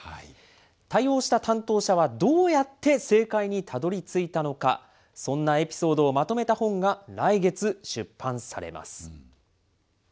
対応した担当者はどうやって正解にたどりついたのか、そんなエピソードをまとめた本が来月出版されます。